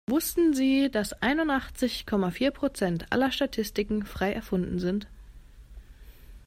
Wussten Sie, dass einundachtzig Komma vier Prozent aller Statistiken frei erfunden sind?